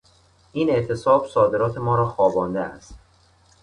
این اعتصاب صادرات ما را خوابانده است.